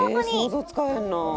「想像つかへんな」